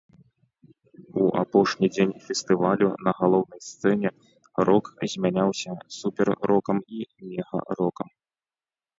У апошні дзень фестывалю на галоўнай сцэне рок змяняўся супер-рокам і мега-рокам.